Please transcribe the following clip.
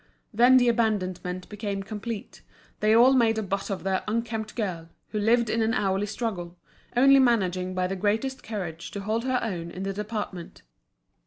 Then the abandonment became complete, they all made a butt of the "unkempt girl," who lived in an hourly struggle, only managing by the greatest courage to hold her own in the department.